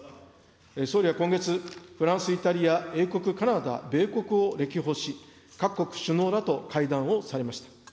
総理は今月、フランス、イタリア、英国、カナダ、米国を歴訪し、各国首脳らと会談をされました。